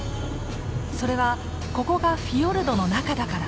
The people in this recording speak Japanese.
それはここがフィヨルドの中だから。